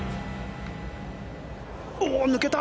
おお、抜けた！